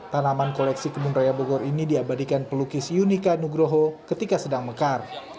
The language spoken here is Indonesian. tanaman koleksi kebun raya bogor ini diabadikan pelukis yunika nugroho ketika sedang mekar